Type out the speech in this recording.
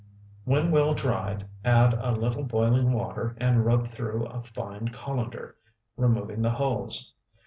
When well dried add a little boiling water and rub through a fine colander, removing the hulls.